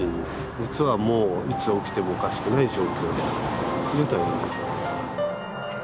実はもういつ起きてもおかしくない状況だと言えます。